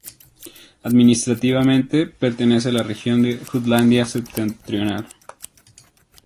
Administrativamente pertenece a la región de Jutlandia Septentrional.